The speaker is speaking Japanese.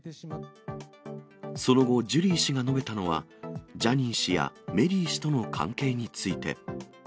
その後、ジュリー氏が述べたのは、ジャニー氏やメリー氏との関係について。